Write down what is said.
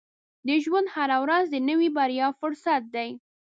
• د ژوند هره ورځ د نوې بریا فرصت دی.